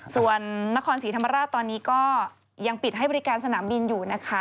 ส่วนนครศรีธรรมราชตอนนี้ก็ยังปิดให้บริการสนามบินอยู่นะคะ